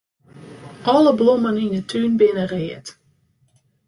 Alle blommen yn 'e tún binne read.